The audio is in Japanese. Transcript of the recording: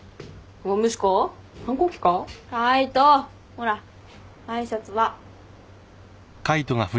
ほら挨拶は？